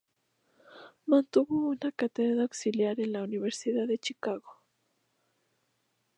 Mantuvo una cátedra auxiliar en la Universidad de Chicago.